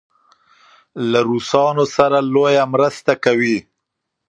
له روسانو سره لویه مرسته کوي.